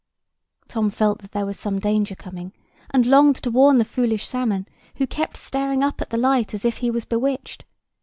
Tom felt that there was some danger coming, and longed to warn the foolish salmon, who kept staring up at the light as if he was bewitched.